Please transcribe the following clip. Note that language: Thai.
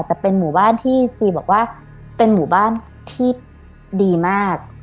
แต่เป็นหมู่บ้านที่จีบอกว่าเป็นหมู่บ้านที่ดีมาก